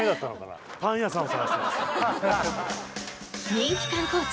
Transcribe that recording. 人気観光地